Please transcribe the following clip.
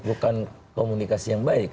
bukan komunikasi yang baik